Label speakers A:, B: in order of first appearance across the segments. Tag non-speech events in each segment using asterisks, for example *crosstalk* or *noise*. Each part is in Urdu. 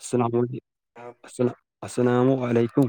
A: السلام علیک السل السلام علیکم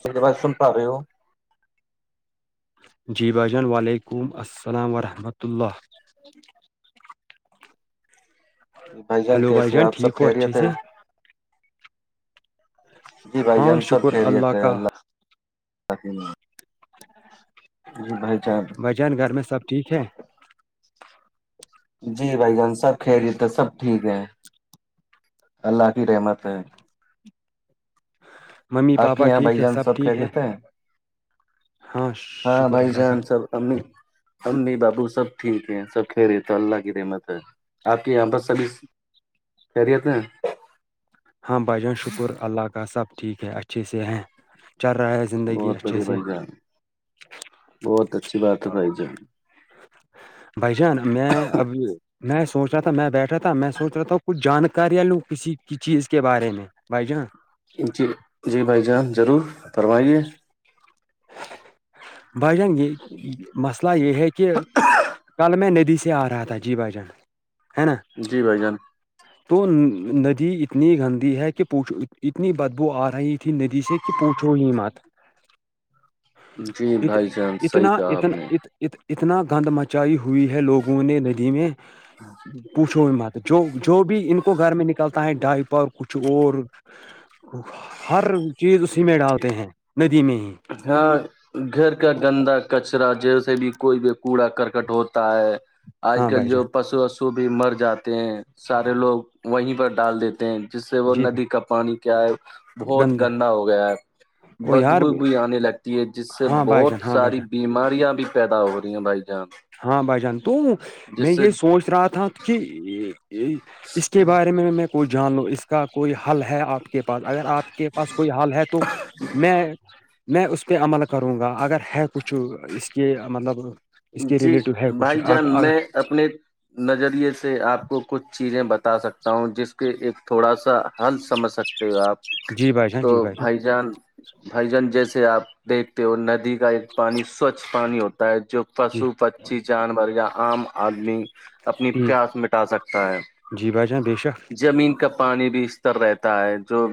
B: سے باتس سن پا رہے ہو
A: جی بھائی جان وعلیکم السلام ورحمۃ اللہ
B: یہ بھائی جان
A: ہیلو
B: کیسے ہیں آپ سب
A: ٹھیک ہو
B: خیریت
A: اچھے
B: ہیں
A: سے
B: جی بھائی
A: ہاں
B: جان سب
A: شکر
B: کھی رہے تھے
A: کا
B: اللہ ت جی بھائی چان
A: بھ جان گھر میں سب ٹھیک ہے
B: جی بھائی جان سب کھیلتے سب ٹھیک ہے اللہ کی رحمت ہے
A: ممی
B: آپ کے
A: پاپا
B: یہاں
A: ٹھیک
B: بھائی
A: ہے
B: جان سب کہ
A: ٹھیک ہے
B: دیتے ہیں
A: ہاں
B: ہاں
A: شکر
B: بھائی
A: اللہ کا
B: جان سب امی امی بابو سب ٹھیک ہیں سب خرے تو اللہ کی رحمت ہے آپ کے یہاں پرس سروس خیریت ہیں
A: ہاں بھائی جان شکر اللہ کا سب ٹھیک ہے اچھے سے ہے چل رہا ہے
B: بہت بڑھیا
A: زندگیسی یہ
B: بھائی جان بہت اچھی بات ہے بھائی جان
A: *unintelligible* بھائی جان میں ابھی میں سوچ رہا تھا میں بیٹھا تھا میں سوچ رہا تھاوں کچھ جاناریاں لوں کسی کی چیز کے بارے میں بھائی جان
B: جی جی بھائی جان ضرور فرمائیے
A: بھائی جان گے مسئلہ یہ ہے کہ کل میں ندی سے آ رہا تھا جی با جان ہے نا
B: جی بھائی جان
A: تو ندی اتنی گندی ہے کہ پوچ اتنی بدبو آ رہی تھی ندی سے کہ پوچھو ہی مت *unintelligible*
B: جی بھائی جان صحیح
A: اتنا
B: کہا آپ نے
A: اتنا ات اتنا گند مچائی ہوئی ہے لوگوں نے ندی میں پوچھو بھی مت جو جو بھی ان کو گھر میں نکلتا ہے ڈائپا کچھ اور ہر چیز اس میں ڈالتے ہیں ندی میں ہی
B: ہاں *unintelligible* گھر کا گندا کچرا جیسے بھی کوئی بھی کوڑا کرکٹ ہوتا ہے آج
A: ہاں
B: کل
A: بھائی
B: جو
A: جان
B: پسو وسو بھی مر جاتے ہیں سارے لوگ وہیں پر ڈال دیتے ہیں جس سے وہ
A: جی
B: ندی کا پانی کیا ہے بہت گندا ہو گیا ہے
A: او یار
B: بدبو بھی آنے لگتی ہے جس سے
A: ہاں بھائی
B: بہت
A: جان ہاں بھائی جان
B: ساری بیماریاں بھی پیدا ہو رہی ہیں بھائی جان
A: ہاں بھائی جان تو میں
B: جس سے
A: یہ سوچ رہا تھا کہ اس کے بارے میں میں کوئی جان لو اس کا کوئی حل ہے آپ کے پاس اگر آپ کے پاس کوئی حال ہے تو میں میں اس پہ عمل کروں گا اگر ہے کچھ اس کے مطلب اس کے
B: جی
A: ریلیٹو ہے کچھ
B: بھائی جان میں اپنے *unintelligible* نظریے سے آپ کو کچھ چیزیں بتا سکتا ہوں جس کے ایک تھوڑا سا حل سمجھ سکتے ہو آپ
A: جی بھائی جان
B: تو
A: جی
B: بھائی جان بھائی جان جیسے آپ دیکھتے ہو ندی کا ایک پانی سوچھ پانی ہوتا ہے جو
A: جی
B: پشو پچھی جانور یا عم آدمی اپنی
A: جی
B: پیاس مٹا سکتا ہے
A: جی بھائی جان بے شک
B: زمین کا پانی بھی استر رہتا ہے جو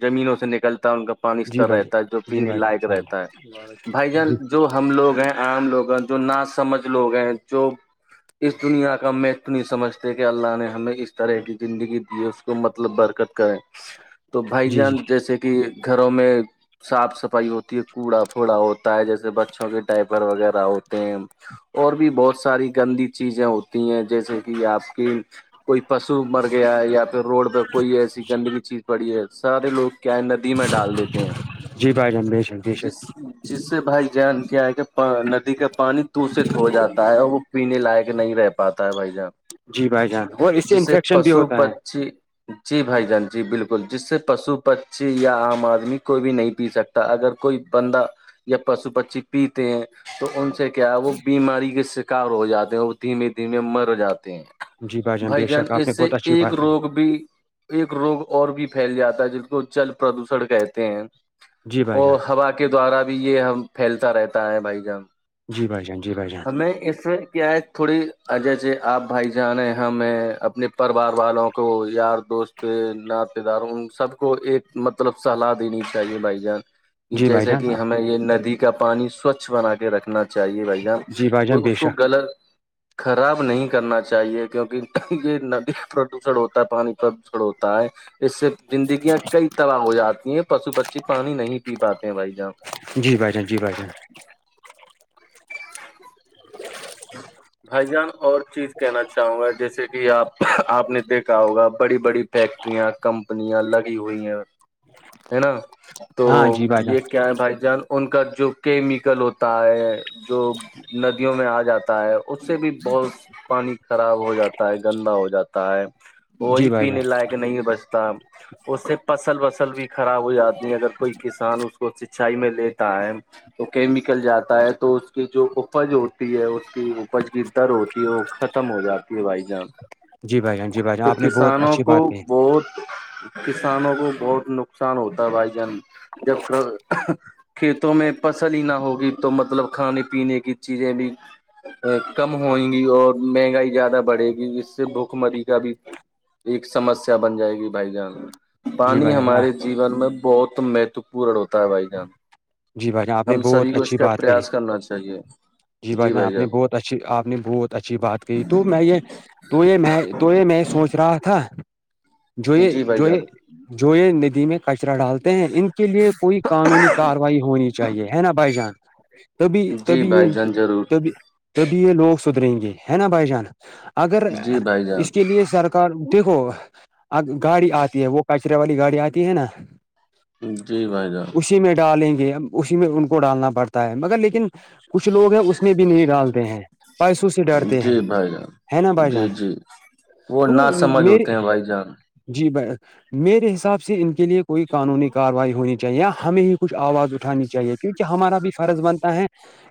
B: زمینوں سے نکلتا ہے ان کا پانی
A: جی
B: استر
A: بھائی
B: رہتا ہے جو
A: جان جی
B: پینے
A: بھائی
B: لائق
A: جان
B: رہتا ہے بھائی جان
A: جی
B: جو ہم لوگ ہیں آام لوگ ہیں جو نہا سمجھ لوگ ہیں جو اس دنیا کا محتو نہیں سمجھتے کہ اللہ نے ہمیں اس طرح کی زندگی دی ہے اس تو مطلب برکت کریں تو بھائی
A: جی جی
B: جان جیسے کہ گھروں میں صاف صفائی ہوتی ہے کوڑا پھوڑا ہوتا ہے جیسے بچوں کے ٹائپر وغیرہ ہو اور بھی بہت ساری گندی چیزیں ہوتی ہیں جیسے کہ آپ کی کوئی پشو مر گیا ہے یا پھر روڈ پہ کوئی ایسی گندگی چیز پڑی ہے سارے لوگ کیا ندی میں ڈال دیتے ہیں
A: جی بھائی جان بے شک بے
B: جس
A: شک
B: جس سے بھائی جان کیا ہے کہ ندی کے پانی تو سے تھو جاتا ہے اور وہ پینے لائق نہیں رہ پاتا ہے بھائی جان
A: جی بھائی جان اور اس سے
B: جسے
A: انفیکشن بھی
B: پشو
A: ہوتا ہے
B: پچھی جی بھائی جان جی بالکل جس سے پشو پچھی یا عام آدمی کوئی بھی نہیں پی سکتا اگر کوئی بندہ یا پشو پچی پیتے ہیں تو ان سے کیا وہ بیماری کے شکار ہو جاتے ہیں وہ دھیمے دھیمے مر جاتے ہیں
A: جی
B: بھائی
A: بے
B: جان
A: شک آپ نے
B: اس سے
A: بہت اچھی
B: ایک
A: بات کہی
B: روگ بھی ایک روگ اور بھی پھیل جاتا ہے جن کو جل پردوشن کہتے ہیں
A: جی بھائی جان
B: اور ہوا کے دوارا بھی یہ ہم پھیلتا رہتا ہے بھائی جان
A: جی بائی جان جی بائی جان
B: میں اس میں کیا ہے تھوڑی اجے جے آپ بھائی جانے ہمیں اپنی پوار والوں کو یار دوست ناشتے داروں ان سب کو ایک مت مطلب سلاح دین چاہیے لائی جان کہ
A: جی بھائی
B: جیسے
A: جان
B: کہ ہمیں یہ ندی کا پانی سوچھ بنا کے رکھنا چاہیے بھائی جان
A: جی بھائی جان
B: تو
A: بے
B: اس کو
A: شک
B: گغلط خراب نہیں کرنا چاہیے کیونکہ یہ ندی پردوشن ہوتا ہے پانی پردوشن ہوتا ہے اس سے زندگیاں کئی طرح ہو جاتی ہیں پشو بچی پانی نہیں پی پاتے ہیں بھائی جان
A: جی بھائی جان جی بھائی جان
B: ج *inaudible* بھائی جان اور چیز کہنا چاہوں گا جیسے کہ آپ آپ نے دیکھا ہوگا بڑی بڑی فیکٹریاں کمپنیاں لگی ہوئی ہیں ہے نا تو
A: ہاں جی بھائی جان
B: یہ کیا بھائی جان ان کا جو کیمیکل ہوتا ہے جو ندیوں میں آ جاتا ہے اس سے بھی بہت پانی خراب ہو جاتا ہے گندا ہو جاتا ہے
A: جی
B: وہی
A: بھائی جان
B: پینے لائق نہیں بچتا اس سے فصل وسل بھی خراب ہو جاتی ہے اگر کوئی کسان اس کو سچائی میں لیتا ہے وہ کیمیکل جاتا ہے تو اس کی جو افج ہوتی ہے اس اپج کی در ہوتی ہے اور ختم ہو جاتی ہے بھائی جان
A: جی بھائی جان جی بھائی جان
B: تو
A: آپ نے بہت
B: کسانوں
A: اچھی
B: کو
A: بات کہی
B: بہت کسانوں کو بہت نقصان ہوتا ہے بھائی جان جب کھیتوں میں فصل ہی نہ ہوگی تو مطلب کھانے پینے کی چیزیں بھی کم ہویں گی اور مہنگائی زیادہ بڑھے گی اس سے بھوک مری کا بھی ایک سمسیا بن جائے گی بھائی جان
A: جی
B: پانی
A: بھائی جان
B: ہمارے جیون میں بہت مہتوپورن ہوتا ہے بھائی جان
A: جی بھائی جان آپ نے
B: ہم سبھی
A: بہت
B: کو اس
A: اچھی
B: کا
A: بات کہی
B: پریاس کرنا چاہیے
A: جی بھائیان
B: بھائی
A: آپ نے
B: جان
A: بہت اچھی آپ نے بہت اچھی بات کہ تو میں یہ تو یہ میں تو یہ میں یہ سوچ رہا تھا جو یہ
B: جی بھائی
A: جو
B: جان
A: جو یہ ندی میں کچرا ڈالتے ہیں ان کے لیے کوئی قانونی کاار وائی ہونی چاہیے ہے نا بھائی جان تبھی
B: جی
A: تبھی یہ
B: بھائی جان ضرور
A: تبھی تو بھی یہ لوگ سدریں گے ہے نا بھائی جان اگر
B: جی بھائی
A: اس کے
B: جان
A: لیے سرک دیکھو ا گاڑی آتی ہے وہ پچرے والی گاڑی آتی ہے نا
B: جی بھائی جان
A: اسی میں ڈالیں گے اسی میں ان کو ڈالنا پڑتا ہے مگر لیکن کچھ لوگ ہیں اس میں بھی نہیں ڈالتے ہیں پائسوسی ڈرتے ہیں
B: جی بھائی جان
A: ہے نا بھائی جان
B: جی جی وہ نہ
A: تو
B: سمجھ
A: میرے
B: ہوتے ہیں بھائی جان
A: جی ب میرے حساب سے ان کے لیے کوئی قانونی کاروائی ہونی چاہیے ہمیں ہی کچ آواز اٹھانی چاہیے کیونکہ ہمارا بھی فرض بنتا ہے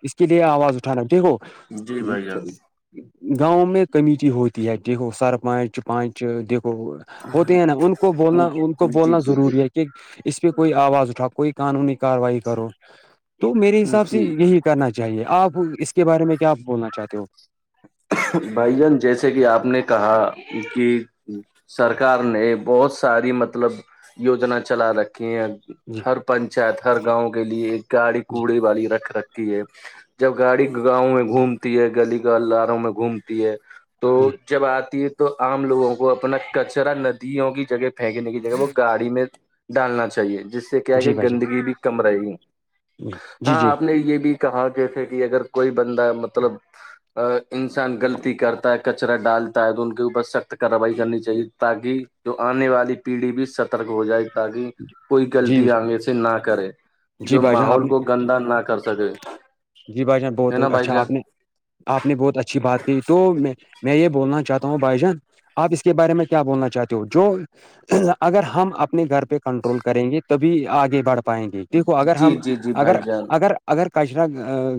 A: اس کے لیے آواز اٹھ ن ٹھیک ہو
B: جی بھائی جان
A: گاؤں میں کمیٹی ہوتی ہے ٹیکو سرپنچ پانچ دیکھو ہوتے ہیں نا ان کو بولنا ان کو
B: جی
A: بولنا
B: جی جی
A: ضروری ہے کہ اس پہ کوئی آواز اٹھاؤ کوئی قانونی کاروائی کرو تو میرے حساب سے
B: جی
A: یہی کرنا چاہیے آپ اس کے بارے میں کیاپ بولنا چاہتے ہو
B: بھائی جان جیسے کہ آپ نے کہا کہ سرکار نے بہت ساری مطلب یوجنا چلا رکھی ہیں
A: جی
B: ہر پنچایت ہر گاؤں گ لی ایک گاڑی
A: جی
B: کوڑی والی رکھ رکتی ہے جب گاڑی گاؤں میں گھومتی ہے گلی کو اللہاروں میں گھومتی ہے تو
A: جی
B: جب آتی ہے تو تو آام لوگوں کو اپنا کچرا ندیوں کی جگہ پھینکنے کی جگہ وہ گاڑی میں ڈالنا چاہیے جس سے کیا کہ
A: جی بھائی جان
B: گندگی بھی کم رہے گی
A: جی
B: ہاں
A: جی
B: آپ نے یہ بھی کہاں جیسے کہ اگر کوئی بندہ مطلب انسان غلطی کرتا ہے کچرا ڈالتا ہے تو ان کے اوپر سخت کارروائی کرنی چاہیے تاکہ تو آنے والی پیڑھی بھی سترک ہو جائے تاکہ کوئی
A: جی
B: غلطی آگے سے نہ کرے
A: جی
B: جو
A: بھائی جان آپ
B: ماحول
A: نے
B: کو گندا نہ کر سکے
A: جی بھائی جان
B: ہے
A: بہت
B: نا بھائی
A: اچھا
B: جان
A: آپ نے آپ نے بہت اچھی بات کہ تو میں یہ بولنا چاہتا ہوں بھائی جان آپ اس کے بارے میں کیا بولنا چاہتے ہو جو اگر ہم اپنے گھر پہ کنٹرول کریں گے تو بھی آگے بڑھ پائیں گے دیکھو اگر
B: جی
A: ہم
B: جی جی
A: اگر
B: بھائی جان
A: اگر اگر کچرا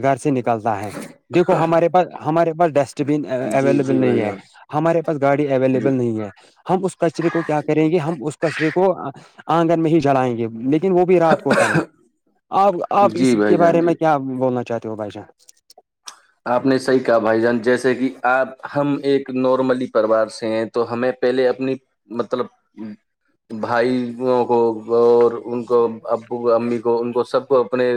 A: گھر سے نکلتا ہے دیکھو ہمارے پاس ہمارے پاس ڈیسٹ بھی
B: جی
A: اویلیبل
B: جی
A: نہیں
B: بھائی
A: ہے
B: جان
A: ہمارے پاس گاڑی
B: جی
A: اویلیبل نہیں ہے ہم اس کچرے کو کیا کریں گے ہم اس کچرے کو آنگن میں ہی جلائیں گے لیکن وہ بھی رات کو ٹائم آپ آپ اس
B: جی
A: کے
B: بھائی جان
A: بارے
B: جی
A: میں کیا بولنا چاہتے ہو بھائیجا
B: آپ نے صحیح کہا بھائی جان جیسے کہ آپ ہم ایک نارملی پرریوار سے ہیں تو ہمیں پہلے اپنی مطلب بھائیوں کو اور ان کو ابو کو امی کو ان کو سب کو اپنے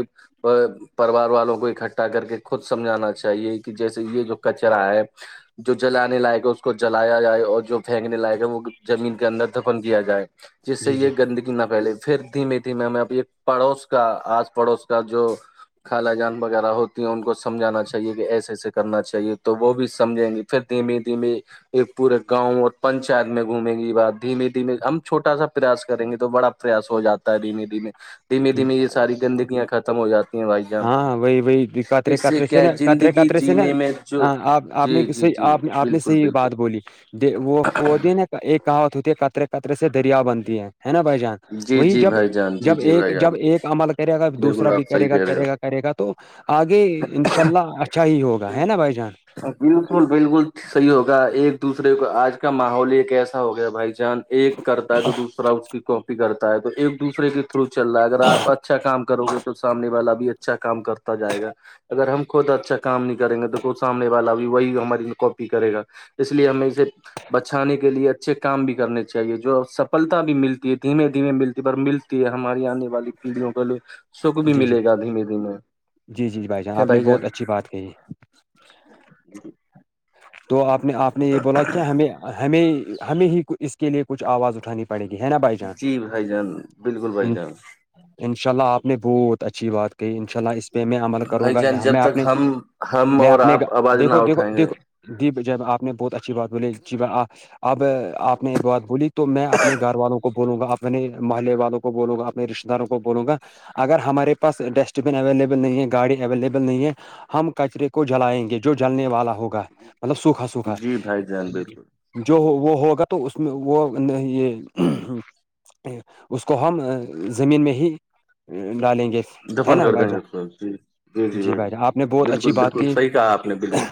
B: پریوار والوں کو اکٹھا کر کے خود سمجھانا چ چاہیے کہ جیسے یہ جو کچرا ہے جو جلانے لائقا اس کو جلایا جائے اور جو پھینکنے لائقا وہ زمین کے اندر دفن کیا جائے جس سے
A: جی
B: یہ گندگی نا پہلے پھر دھیمے دھیمے ہمیں ایک پڑوس کا آس پڑوس کا جو خالا جان وغیرہ ہوتی ہیں ان کو سمجھانا چاہیے اہے کہ ایسے ایسے کرنا چاہیے تو وہ بھی سمجھیں گے پھر دھیمے دھیمے ایک پورے گاؤں اور پنچات میں گھومیں گی بات دھیمیے دھیممی ہم چھوٹا سا پریاس کریں گے تو بڑا پریاس ہواتا ہے دھیمے دھیمے دھیمے
A: جی
B: دھیمے یہ ساری گندگیاں ختم ہو جاتی ہیں بھائی جان
A: ہاں وہی وہی قطرے
B: اس سے
A: قطرے
B: کیا
A: نا قطرے
B: زندگی
A: قطرے سے نا
B: جینے میں جو
A: ہاں آپ آپ
B: جی
A: نے
B: جی
A: صحیح
B: جی
A: آپ نے آپ نے
B: بالکل
A: صحیح
B: بالکل
A: بات بولی وہ وہودی نا ایک کہاوت ہوتی ہے قطرے قطرے سے دریا بنتی ہے نا بھائی جان
B: جی
A: وہی
B: جی
A: جب
B: بھائی جان جی
A: جب
B: جی
A: ایک
B: بھائی
A: جب
B: جان
A: ایک عمل کرے گا دوسرا
B: بالکل
A: بھی
B: آپ صحیح
A: کرے گا
B: کہہ رہے
A: کرے گا
B: ہو
A: کرے گا تو آگے ان شاء اللہ اچھا ہی ہوگا ہے نا بھائی جان
B: بالکل بالکل صحیح ہوگا ایک دوسرے کو آج کا ماحول ایک ایسا ہو گیا بھائی جان ایک کرتا ہے تو دوسرا اس کی کاپی کرتا ہے تو ایک دوسرے کے تھرو چل رہا ہے اگر آ اھا اچھا کام کرو گے تو سامنے والا بھی اچھا کام کرتا جائے گا اگر ہم خود اچھا کام نہیں کریں گے تو سامنے والا بھی وہی ہماری کاپی کرے گا اس لیے ہمیں اسے بچانے کے لیے اچھے کام بھی کرنے چاہیے جو سفلتا بھی ملتی ہے دھیمے دھیمے ملتی پر مل ہماری آنے والی پیڑھیوں کا لو سکھ بھی
A: جی جی
B: ملے گا دھیمے
A: جی جی
B: دھیمے
A: آپ نے
B: بھائی جان
A: بہت اچھی بات کہی
B: ج
A: تو آپ نے آپ نے یہ بولا کیا ہمیں ہمیں ہمیں ہی اس کے لیے کچھ آواز اٹھانی پڑ پڑ گی ہے نا *unintelligible*
B: جی بھائی جان بالکل بھائی جان
A: انشاء اللہ آپ نے بہت اچھی بات کہ انشاء اللہ اس پہ میں عمل کروں
B: بھائی
A: گا
B: جان جب
A: میں
B: تک
A: اپنے
B: ہم ہم
A: میں
B: اور
A: اپنے
B: آپ آواز نہ
A: دیکھو دیکھو
B: اٹھائیں گے
A: دیکھو ج ج آپ نے بہت اچھی بات بولی جی اب آپ نے یہ بات بولی تو میں اپنے گھر والوں کو بولوں گا اپنے محلے والوں کو بولوں گا اپنے رشتے داروں کو بولوں گا اگر ہمارے پاس ڈسٹ بن اویلیبل نہیں ہے گاڑی اویلیبل نہیں ہے ہم کچرے کو جلائیں گے جو جلنے والا ہوگا مطلب سوکھا سوکھا
B: جی بھائی جان بالکل
A: جو وہ ہوگا تو اس میں وہ یہ اس کو ہم زمین میں ہی ڈالیں گے ہے
B: دفن
A: نا
B: کر دیں
A: بھائی
B: گے
A: جان
B: اس جی جی جی بھ
A: بھائی جان آپ نے بہت اچھی
B: بالکل
A: بات
B: بالکل
A: کی
B: صحیح کہا آپ نے بالکل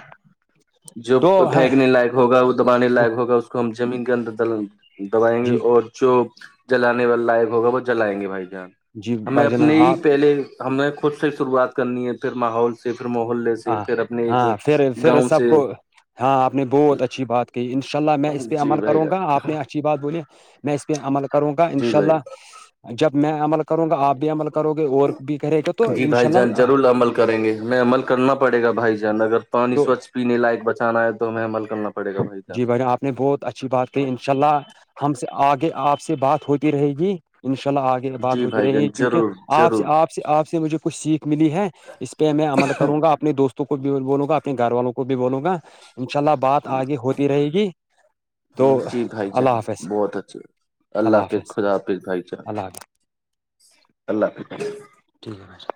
B: جو
A: تو
B: پھینکنے لائق ہوگا وہ دبانے لائق ہوگا اس کو ہم زمین کے اندر دبائیں گے
A: جی
B: اور جو جلانے والا لائق ہوگا وہ جلائیں گے بھائی جان
A: جی
B: ہمیں
A: بھائی جان
B: اپنے ہی
A: آپ
B: پہلے ہم نے خود سے شروعات کرنی ہے پھر ماحول سے پھر محللے سے
A: ہاں
B: پھر اپنے ایک
A: ہاں پھر پھر
B: گاؤں
A: سب
B: سے
A: کو ہاں آپ نے بہت اچھی بات کہ ان شاء اللہ میں اس پہ
B: جی
A: عمل
B: بھائی
A: کروں گا
B: جان
A: آپ نے اچھی بات بولی میں اس پہ عمل کروں گا ان
B: جی
A: شاء
B: بھائی
A: اللہ جب میں عمل کروں گا آپ بھی عمل کرو گے اور بھی ب کر گا تو
B: جی بھائی
A: انشاء
B: جان
A: اللہ
B: ضرور عمل کریں گے ہمیں عمل کرنا پڑے گا بھائی جان اگر پانی
A: تو
B: سوچھ پینے لائق بچانا ہے تو ہمیں عمل کرنا پڑا
A: جی بھان آپ نے بہت اچھی بات کہی ان شاء اللہ ہم سے آگے آپ سے بات ہوتی رہے گی انشاء اللہ آگے بات
B: جی
A: ہوتی
B: بھائی
A: رہیںی
B: جان
A: ہے کیونکہ
B: ضرور
A: آپ سے
B: ضرور
A: آپ سے آپ سے مجھے کچھ سیکھ ملی ہے اس پہ میں عمل کروں گا اپنے دوستوں کو بھی بولوں گا اپنے گھر والوں کو بھی بولوں گا انشاء اللہ بات آگے ہوتی رہے گی تو
B: جی بھائی
A: اللہ
B: چان
A: حافظ
B: بہت اچھے اللہ حافظ خدا حافظ بھائی چان
A: اللہ حافظ
B: اللہ *unintelligible*
A: ٹھیک ہے بھرر *unintelligible*